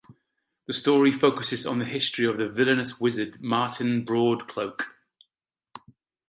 The story focuses on the history of the villainous wizard Marten Broadcloak.